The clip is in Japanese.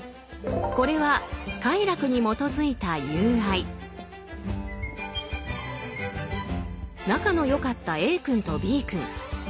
これは仲の良かったＡ君とＢ君。